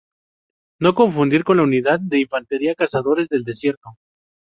No confundir con la unidad de infantería Cazadores del desierto.